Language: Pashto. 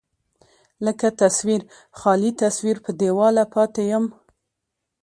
لکه تصوير، خالي تصوير په دېواله پاتې يم